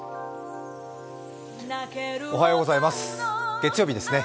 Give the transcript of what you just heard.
月曜日ですね。